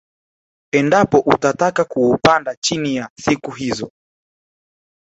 Endapo utataka kuupanda chini ya siku hizo